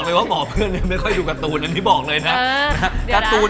แนะนำเรื่องการ์ตูนน่าจะเกี่ยวกับเรื่องการ์ตูน